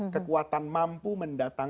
kekuatan mampu mendatang